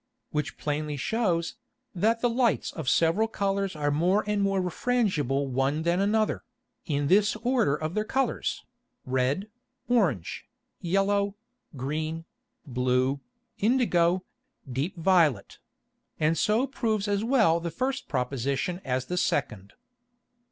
Which plainly shews, that the Lights of several Colours are more and more refrangible one than another, in this Order of their Colours, red, orange, yellow, green, blue, indigo, deep violet; and so proves as well the first Proposition as the second.